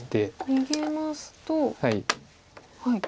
逃げますと。